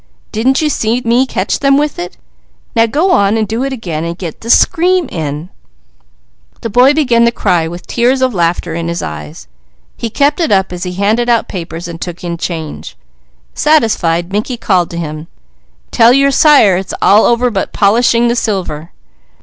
Didn't you see me catch them with it? Now go on and do it again, and get the scream in." The boy began the cry with tears of laughter in his eyes. He kept it up as he handed out papers and took in change. Satisfied, Mickey called to him: "Tell your sire it's all over but polishing the silver."